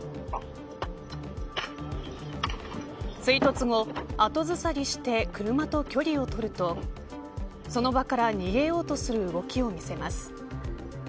追突後、後ずさりして車と距離を取るとその場から逃げようとする動きを見せます。